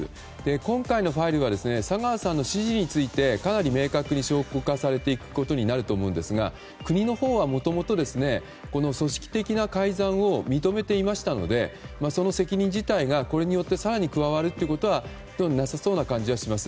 今回のファイルは佐川さんの指示についてかなり明確に証拠化されていくことになると思うんですが国のほうはもともとこの組織的な改ざんを認めていましたのでその責任自体が、これによって更に加わるということはなさそうな感じはします。